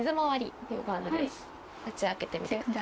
開けてみてください。